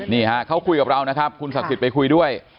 นี่ฮะเขาคุยกับเรานะครับคุณศักดิ์สิทธิ์ไปคุยด้วย